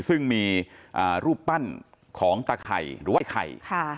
ซึ่งมีรูปปั้นของตะไข่หรือว่าไอ้ไข่